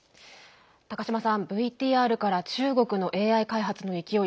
高島さん、ＶＴＲから中国のＡＩ開発の勢い